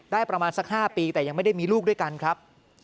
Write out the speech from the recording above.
ประมาณสัก๕ปีแต่ยังไม่ได้มีลูกด้วยกันครับ